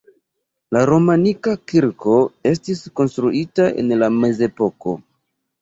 La romanika kirko estis konstruita en la mezepoko.